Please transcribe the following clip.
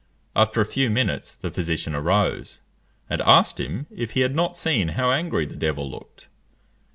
After a few minutes the physician arose, and asked him if he had not seen how angry the devil looked?